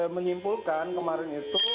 menyimpulkan kemarin itu